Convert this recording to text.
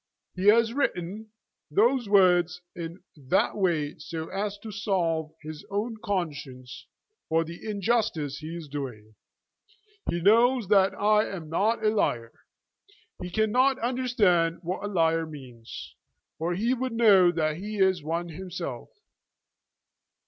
He has written those words in that way so as to salve his own conscience for the injustice he is doing. He knows that I am not a liar. He cannot understand what a liar means, or he would know that he is one himself."